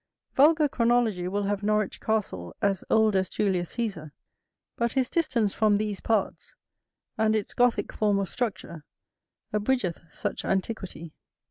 Vulgar chronology will have Norwich Castle as old as Julius Cæsar; but his distance from these parts, and its Gothick form of structure, abridgeth such antiquity.